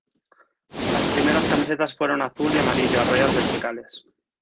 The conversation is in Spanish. Las primeras camisetas fueron azul y amarillo a rayas verticales.